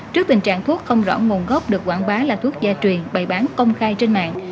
trước tình trạng thuốc không rõ nguồn gốc được quảng bá là thuốc gia truyền bày bán công khai trên mạng